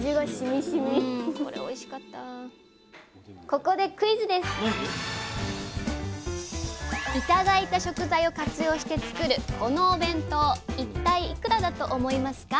ここでいただいた食材を活用して作るこのお弁当一体いくらだと思いますか？